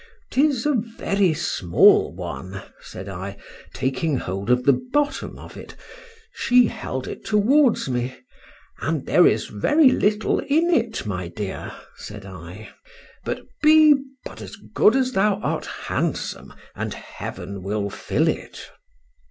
—'Tis a very small one, said I, taking hold of the bottom of it—she held it towards me—and there is very little in it, my dear, said I; but be but as good as thou art handsome, and heaven will fill it.